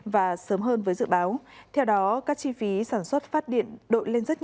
và sớm hơn với dự báo